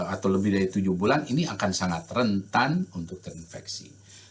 atau lebih dari tujuh bulan ini akan sangat rentan untuk terinfeksi